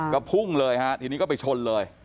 ก็พุ่งเลยฮะทีนี้ก็ไปชนเลย